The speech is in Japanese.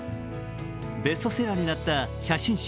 ベストセラーになった写真集